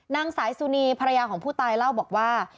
นางสายสุนีภรรยาของผู้ตายเล่าบอกว่า